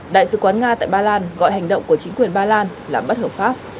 đại sứ quán nga tại ba lan gọi hành động của chính quyền ba lan là bất hợp pháp